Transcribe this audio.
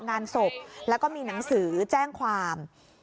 งานศพแล้วก็มีหนังสือแจ้งความ